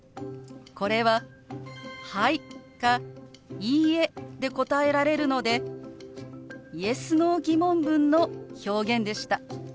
これは「はい」か「いいえ」で答えられるのでＹｅｓ／Ｎｏー疑問文の表現でした。